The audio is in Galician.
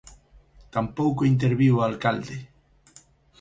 Tampouco interviu o alcalde.